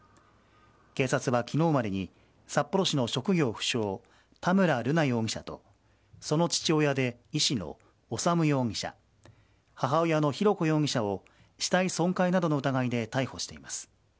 警察は昨日までに札幌市の職業不詳田村瑠奈容疑者とその父親で医師の修容疑者母親の浩子容疑者を死体損壊などの疑いで逮捕しています。